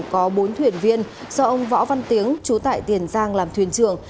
tàu có bốn thuyền viên do ông võ văn tiếng chú tại tiền giang làm thuyền trưởng